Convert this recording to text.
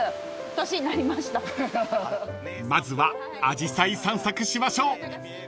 ［まずはあじさい散策しましょう］